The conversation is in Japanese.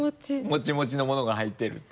モチモチのものが入ってるって。